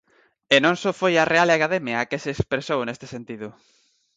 E non só foi a Real Academia a que se expresou neste sentido.